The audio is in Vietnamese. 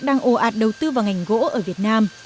đang ồ ạt đầu tư vào ngành gỗ ở việt nam